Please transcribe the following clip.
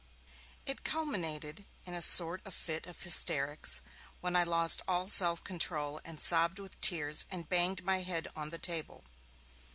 It culminated in a sort of fit of hysterics, when I lost all self control, and sobbed with tears, and banged my head on the table.